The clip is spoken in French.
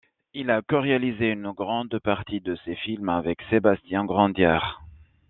Il a coréalisé une grande partie de ses films avec Sébastien Grandière.